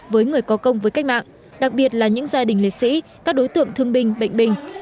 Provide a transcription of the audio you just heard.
với người có công với cách mạng đặc biệt là những gia đình liệt sĩ các đối tượng thương binh bệnh binh